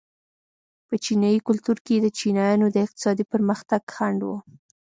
په چینايي کلتور کې د چینایانو د اقتصادي پرمختګ خنډ و.